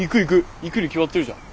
行くに決まってるじゃん。